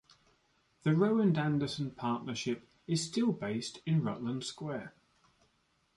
The Rowand Anderson Partnership is still based in Rutland Square.